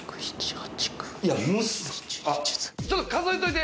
ちょっと数えておいて。